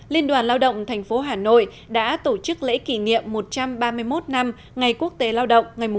liên đoàn lao động tp hà nội đã tổ chức lễ kỷ niệm một trăm ba mươi một năm ngày quốc tế lao động